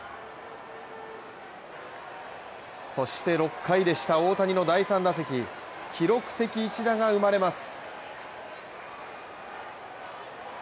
そして６回でした大谷の第３打席記録的一打が生まれます。